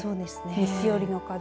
西寄りの風。